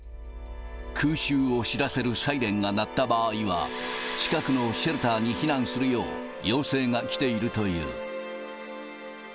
空襲を知らせるサイレンが鳴った場合は、近くのシェルターに避難するよう、要請が来ているという。